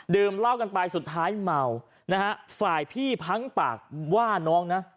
ดื่มเล่ากันไปสุดท้ายเมาฝ่ายพี่พั้งปากว่าน้องนะ